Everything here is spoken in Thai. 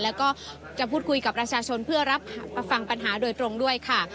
แล้วก็จะพูดคุยกับประชาชนเพื่อรับฟังปัญหาโดยตรงด้วยค่ะ